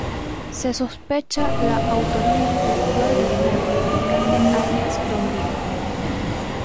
Se sospecha la autoría intelectual del narcotraficante alias "Don Diego".